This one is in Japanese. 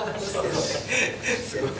すごい。